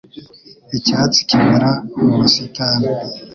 Icyatsi kimera mu busitani